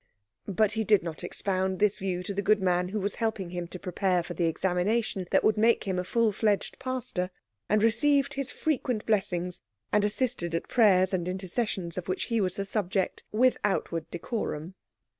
But he did not expound this view to the good man who was helping him to prepare for the examination that would make him a full fledged pastor, and received his frequent blessings, and assisted at prayers and intercessions of which he was the subject, with outward decorum.